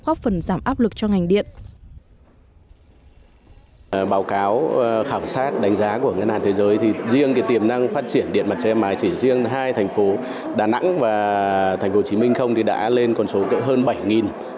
giải pháp góp phần giảm áp lực cho ngành điện